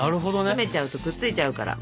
冷めちゃうとくっついちゃうから。